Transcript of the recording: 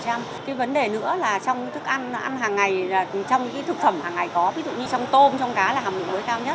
cái vấn đề nữa là trong thức ăn ăn hàng ngày trong những cái thực phẩm hàng ngày có ví dụ như trong tôm trong cá là hàm lượng muối cao nhất